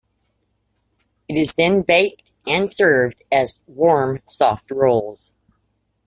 It is then baked and served as warm soft rolls.